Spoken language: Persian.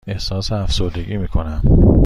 احساس افسردگی می کنم.